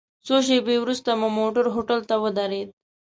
څو شېبې وروسته مو موټر هوټل ته ودرید.